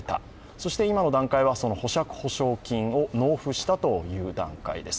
そして今の段階はその保釈保証金を納付したという段階です。